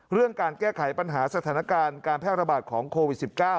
เรื่องการแก้ไขปัญหาสถานการณ์การแพร่ระบาดของโควิด๑๙